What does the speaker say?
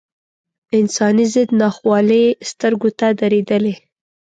انساني ضد ناخوالې سترګو ته ودرېدلې.